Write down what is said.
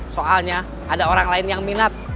soalnya ada orang lain yang minat